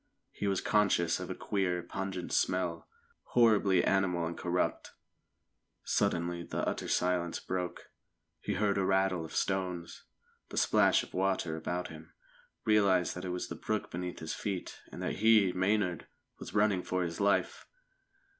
He was conscious of a queer, pungent smell, horribly animal and corrupt. Suddenly the utter silence broke. He heard a rattle of stones, the splash of water about him, realised that it was the brook beneath his feet, and that he, Maynard, was running for his life.